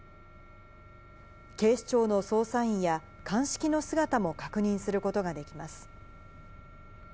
警視庁の捜査員や鑑識の姿も確認することができます。